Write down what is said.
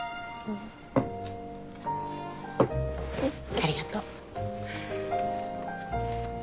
ありがとう。